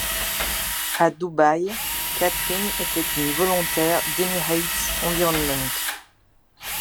À Dubaï, Catherine était une volontaire d’Emirates Environment.